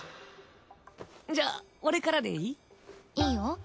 じゃあ俺からでいい？いいよ。